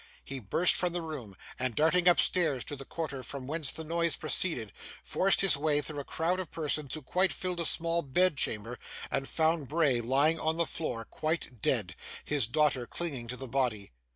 He burst from the room, and, darting upstairs to the quarter from whence the noise proceeded, forced his way through a crowd of persons who quite filled a small bed chamber, and found Bray lying on the floor quite dead; his daughter clinging to the body.